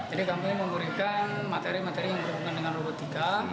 jadi kami memberikan materi materi yang berhubungan dengan robotika